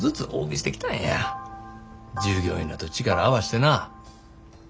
従業員らと力合わしてな。